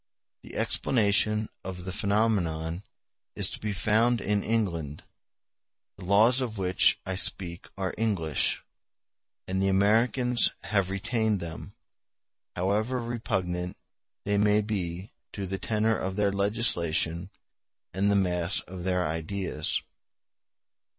The explanation of the phenomenon is to be found in England; the laws of which I speak are English, *o and the Americans have retained them, however repugnant they may be to the tenor of their legislation and the mass of their ideas.